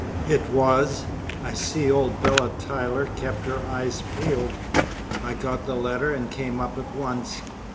"It was. I see old Bella Tyler kept her eyes peeled. I got the letter and came up at once.